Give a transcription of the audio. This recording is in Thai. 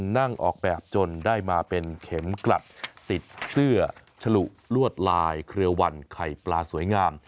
นั่งออกแบบจนได้มาเป็นเข็มกลัดติดเสื้อฉลุลวดลายเครือวันไข่ปลาสวยงาม